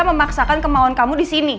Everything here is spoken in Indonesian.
memaksakan kemauan kamu disini